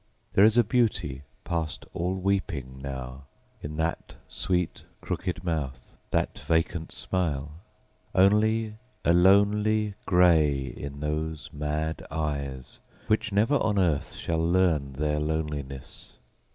There is a beauty past all weeping now In that sweet, crooked mouth, that vacant smile; Only a lonely grey in those mad eyes, Which never on earth shall learn their loneliness.